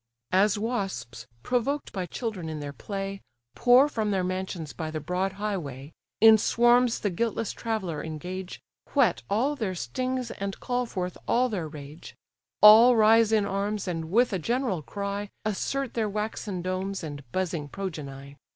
As wasps, provoked by children in their play, Pour from their mansions by the broad highway, In swarms the guiltless traveller engage, Whet all their stings, and call forth all their rage: All rise in arms, and, with a general cry, Assert their waxen domes, and buzzing progeny.